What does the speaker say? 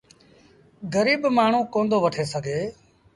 گريٚب مآڻهوٚٚݩ ڪوندو وٺي سگھي۔